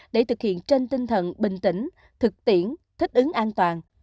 để thực hiện trên tinh thần bình tĩnh thực tiễn thích ứng an toàn